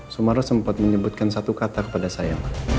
sumarro sempat menyebutkan satu kata kepada saya